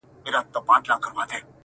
قرباني بې وسه پاتې کيږي تل,